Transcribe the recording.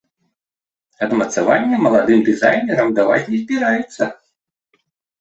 Адмацавання маладым дызайнерам даваць не збіраюцца.